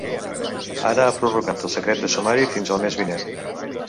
Ara ha prorrogat el secret de sumari fins el mes vinent.